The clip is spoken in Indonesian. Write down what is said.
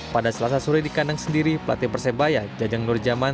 pada selasa sore di kandang sendiri pelatih persebaya jajang nurjaman